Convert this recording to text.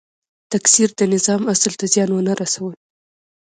تکثیر د نظام اصل ته زیان ونه رسول.